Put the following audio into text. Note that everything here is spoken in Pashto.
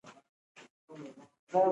مېز د خوړو تنظیم اسانه کوي.